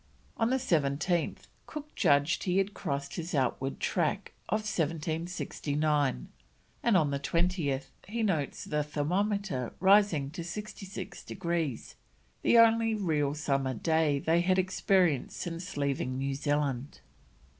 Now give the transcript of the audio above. On the 17th Cook judged he had crossed his outward track of 1769, and on the 20th he notes the thermometer rising to 66 degrees, the only real summer day they had experienced since leaving New Zealand.